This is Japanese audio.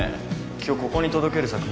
今日ここに届ける作品